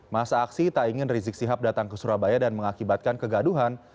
masa aksi tak ingin rizik sihab datang ke surabaya dan mengakibatkan kegaduhan